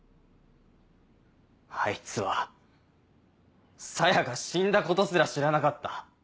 あいつは沙耶が死んだことすら知らなかった。